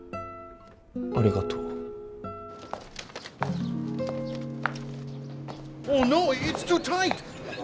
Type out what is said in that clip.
ありがとう。